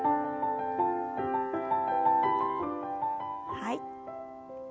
はい。